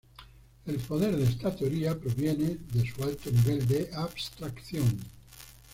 El poder de esta teoría proviene su alto nivel de abstracción.